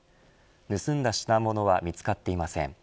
盗んだ品物は見つかっていません。